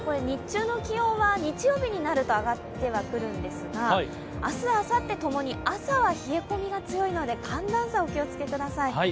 日中に気温は日曜日になると上がってはくるんですが明日、あさって共に朝は冷え込みが強いので寒暖差にお気をつけください。